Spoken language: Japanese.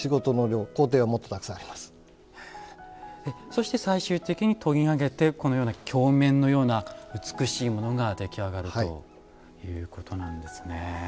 そして最終的に研ぎ上げてこのような鏡面のような美しいものが出来上がるということなんですね。